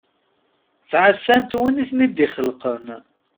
Ttɛasant win iten-id-ixelqen.